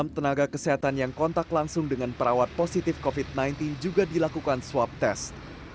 enam tenaga kesehatan yang kontak langsung dengan perawat positif covid sembilan belas juga dilakukan swab test